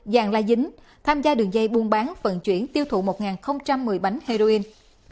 dàn la dính tham gia đường dây buôn bán vận chuyển tiêu thụ một một mươi bảy heroin